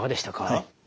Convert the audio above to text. はい。